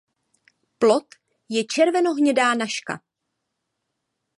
Plod je červenohnědá nažka.